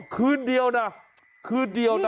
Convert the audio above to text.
คืนเดียวนะคืนเดียวนะ